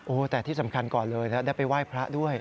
โอ้โหแต่ที่สำคัญก่อนเลยแล้วได้ไปไหว้พระด้วย